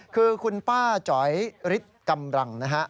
คือคุณป้าจ๋อยฤทธิ์กำลังนะฮะ